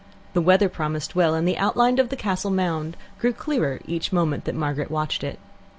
The weather promised well, and the outline of the castle mound grew clearer each moment that Margaret watched it.